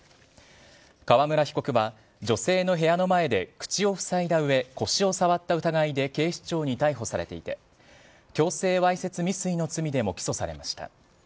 川村被告は女性の部屋の前で口を塞いだうえ、腰を触った疑いで警視庁に逮捕されていて、強制わいせつ未遂の罪でも起訴されました。